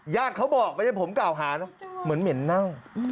ญาติเขาบอกไม่ใช่ผมกล่าวหานะเหมือนเหม็นเน่า